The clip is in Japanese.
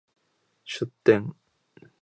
出店